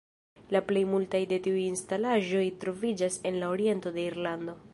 La plej multaj de tiuj instalaĵoj troviĝas en la oriento de Irlando.